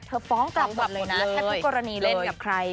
ฟ้องกลับหมดเลยนะแทบทุกกรณีเล่นกับใคร